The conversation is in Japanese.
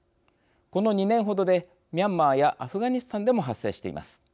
この２年程でミャンマーやアフガニスタンでも発生しています。